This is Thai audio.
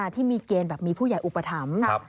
ที่มีเกณฑ์แบบมีผู้ใหญ่อุปถัมภ์